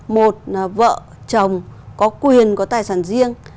một vợ chồng có quyền có tài sản riêng